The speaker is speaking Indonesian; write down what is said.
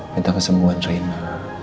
minta kesemuan reina